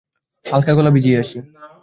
হালকা গলা ভিজিয়ে আসি।